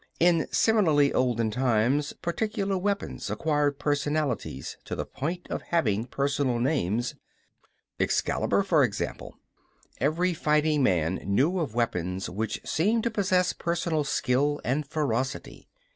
In similarly olden times, particular weapons acquired personalities to the point of having personal names Excalibur, for example. Every fighting man knew of weapons which seemed to possess personal skill and ferocity.